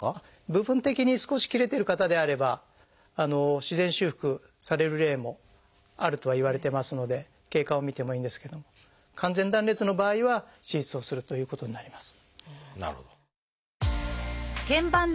部分的に少し切れてる方であれば自然修復される例もあるとはいわれてますので経過を見てもいいんですけれども完全断裂の場合は手術をするということになります。